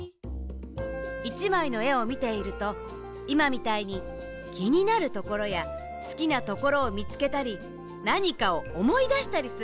１まいのえをみているといまみたいにきになるところやすきなところをみつけたりなにかをおもいだしたりするでしょ？